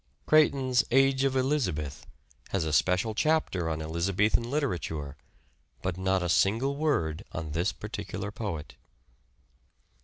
Creighton's "Age of Elizabeth" has a special chapter on Elizabethan literature, but not a single word on this particular poet.